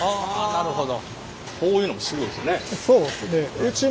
なるほど。